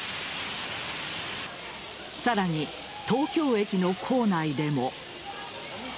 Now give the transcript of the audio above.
さらに東京駅の構内でも。